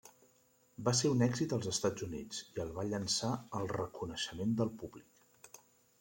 Va ser un èxit als Estats Units i el va llançar al reconeixement del públic.